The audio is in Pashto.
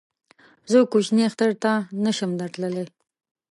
زه کوچني اختر ته نه شم در تللی